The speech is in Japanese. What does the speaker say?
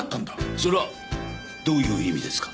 それはどういう意味ですか？